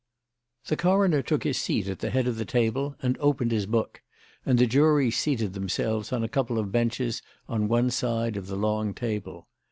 The coroner took his seat at the head of the table and opened his book, and the jury seated themselves on a couple of benches on one side of the long table.